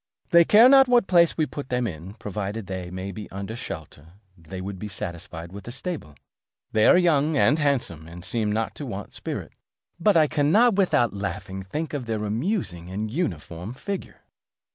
They care not what place we put them in, provided they may be under shelter; they would be satisfied with a stable. They are young and handsome, and seem not to want spirit. But I cannot without laughing think of their amusing and uniform figure."